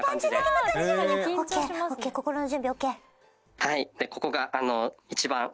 はい！